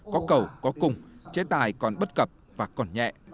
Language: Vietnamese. cuối cùng chế tài còn bất cập và còn nhẹ